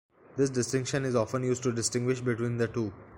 This distinction is often used to distinguish between the two.